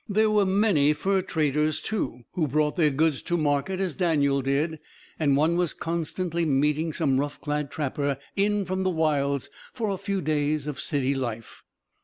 There were many fur traders, too, who brought their goods to market as Daniel did, and one was constantly meeting some rough clad trapper in from the wilds for a few days of city life.